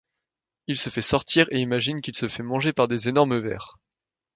Il se fait sortir et imagine qu'il se fait manger par des énormes vers.